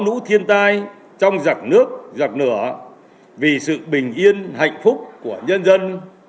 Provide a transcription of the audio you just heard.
nữ thiên tai trong giặc nước giặc nửa vì sự bình yên hạnh phúc của nhân dân